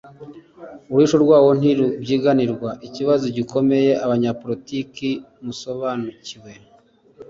uruhisho rwawo ntirubyiganirwa. ikibazo gikomeye abanyapolitiki mutasobanukiwe